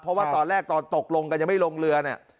เพราะว่าตอนแรกตอนตกลงกันยังไม่ลงเรือเนี่ย